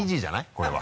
これは。